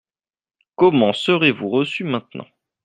Comment serez-vous reçue maintenant ?